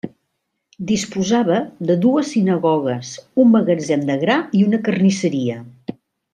Disposava de dues sinagogues, un magatzem de gra i una carnisseria.